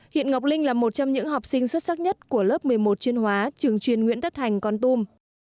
hiện ngọc linh là một trong những học sinh xuất sắc nhất của lớp một mươi một chuyên hóa trường chuyên nguyễn tất thành con tum